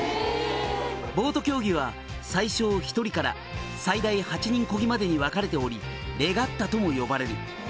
「ボート競技は最少１人から最大８人漕ぎまでに分かれておりレガッタとも呼ばれる」